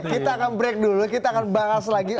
kita akan break dulu kita akan bahas lagi